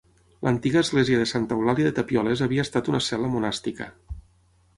L'antiga església de Santa Eulàlia de Tapioles havia estat una cel·la monàstica.